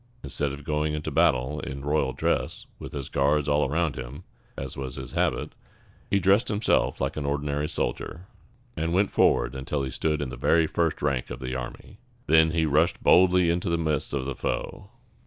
Instead of going into battle in royal dress, with his guards all around him, as was his habit, he dressed himself like an ordinary soldier, and went forward until he stood in the very first rank of the army. Then he rushed boldly into the midst of the foe.